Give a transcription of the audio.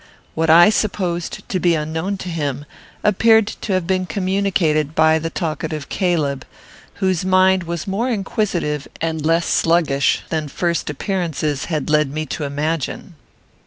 What I supposed to be unknown to him appeared to have been communicated by the talkative Caleb, whose mind was more inquisitive and less sluggish than first appearances had led me to imagine.